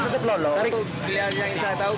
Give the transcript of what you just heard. dikenal di bawah